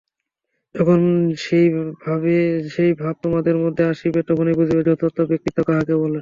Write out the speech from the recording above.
যখন সেই ভাব তোমাদের মধ্যে আসিবে, তখনই বুঝিবে যথার্থ ব্যক্তিত্ব কাহাকে বলে।